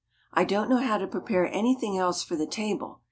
I don't know how to prepare anything else for the table.